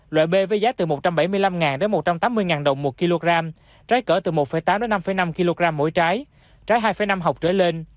loại b với giá từ một trăm bảy mươi năm đến một trăm tám mươi đồng một kg trái cỡ từ một tám năm năm kg mỗi trái trái hai năm học trở lên